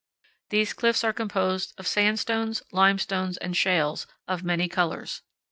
These cliffs are composed of sand stones, limestones, and shales, of many colors.